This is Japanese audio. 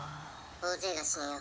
大勢が死ぬよ。